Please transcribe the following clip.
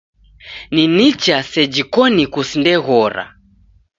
Ni nicha seji koni kusindeghora.